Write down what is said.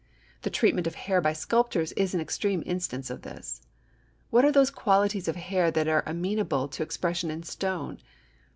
The treatment of hair by sculptors is an extreme instance of this. What are those qualities of hair that are amenable to expression in stone?